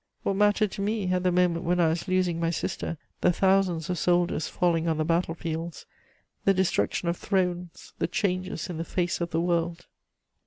What mattered to me, at the moment when I was losing my sister, the thousands of soldiers falling on the battlefields, the destruction of thrones, the changes in the face of the world?